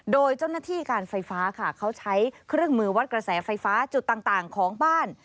โดยเจ้าหน้าที่การไฟฟ้าค่ะเขาใช้เครื่องมือวัดกระแสไฟฟ้าจุดต่างของบ้าน